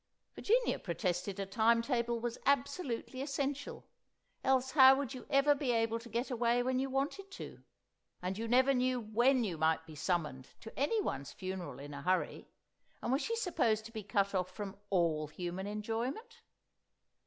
Virginia protested a Time Table was absolutely essential, else how would you ever be able to get away when you wanted to? And you never knew when you might be summoned to anyone's funeral in a hurry, and was she supposed to be cut off from all human enjoyment?